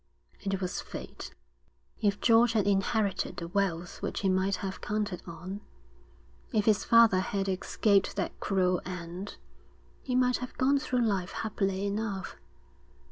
It was fate. If George had inherited the wealth which he might have counted on, if his father had escaped that cruel end, he might have gone through life happily enough.